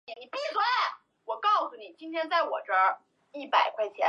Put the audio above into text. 转场调度俐落明快以及充满机锋的语言也是这部小说好看的地方。